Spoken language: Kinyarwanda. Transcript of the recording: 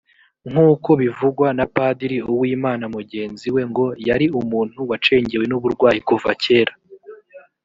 nk’uko bivugwa na padiri uwimana mugenzi we ngo yari umuntu wacengewe n’uburwayi kuva kera